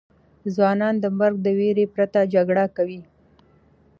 ځوانان د مرګ د ویرې پرته جګړه کوي.